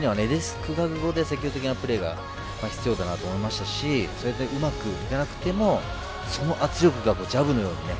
時には積極的なプレーが必要かなと思いましたしそうやって、うまくいかなくてもその圧力がジャブのようにね。